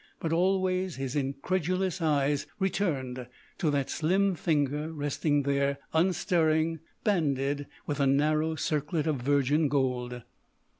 But always his incredulous eyes returned to that slim finger resting there, unstirring, banded with a narrow circlet of virgin gold.